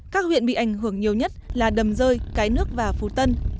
các huyện bị ảnh hưởng nhiều nhất là đầm rơi cái nước và phú tân